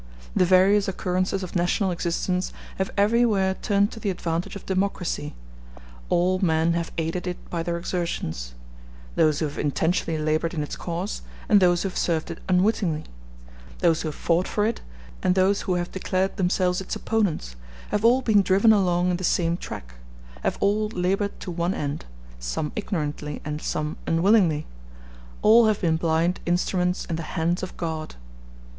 The various occurrences of national existence have everywhere turned to the advantage of democracy; all men have aided it by their exertions: those who have intentionally labored in its cause, and those who have served it unwittingly; those who have fought for it and those who have declared themselves its opponents, have all been driven along in the same track, have all labored to one end, some ignorantly and some unwillingly; all have been blind instruments in the hands of God.